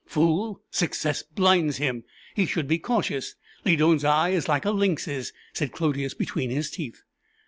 "Fool success blinds him he should be cautious. Lydon's eye is like a lynx's!" said Clodius, between his teeth.